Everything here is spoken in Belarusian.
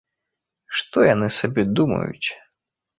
Што яны сабе думаюць?